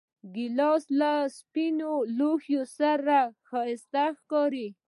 ګیلاس له سپینو لوښو سره ښایسته ښکاري.